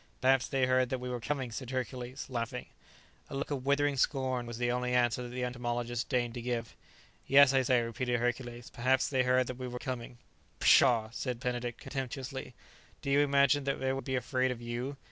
"Perhaps they heard that we were coming," said Hercules, laughing. A look of withering scorn was the only answer that the entomologist deigned to give. "Yes, I say," repeated Hercules, "perhaps they heard that we were coming." "Pshaw!" said Benedict contemptuously; "do you imagine they would be afraid of you?